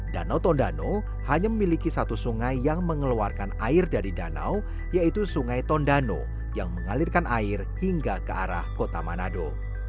danau tondano hanya memiliki satu sungai yang mengeluarkan air dari danau yaitu sungai tondano yang mengalirkan air hingga ke arah kota manado